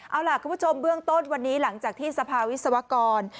เอาล่ะคุณผู้ชมเบื้องต้นวันนี้หลังจากที่สภาวิศวกร